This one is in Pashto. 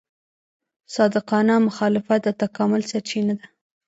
صادقانه مخالفت د تکامل سرچینه ده.